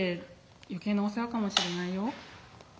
余計なお世話かもしれないよ」。